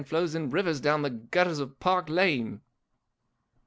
flows in rivers down the gutters of Park Lane